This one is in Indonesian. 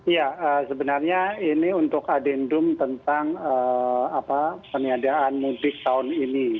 ya sebenarnya ini untuk adendum tentang peniadaan mudik tahun ini